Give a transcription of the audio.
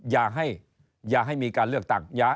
อย่าให้มีการเลือกตั้ง